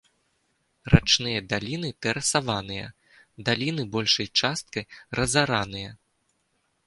Рачныя даліны тэрасаваныя, даліны большай часткай разараныя.